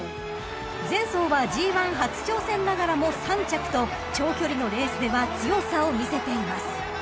［前走はＧⅠ初挑戦ながらも３着と長距離のレースでは強さを見せています］